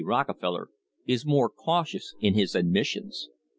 Rockefeller, is more cautious in his admis sions.